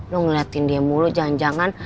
lu ngeliatin dia mulu jangan jangan